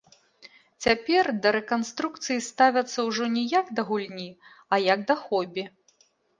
Цяпер да рэканструкцыі ставяцца ўжо не як да гульні, а як да хобі.